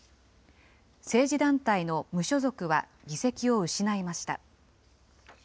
政治団体の無所属は議席を失いました。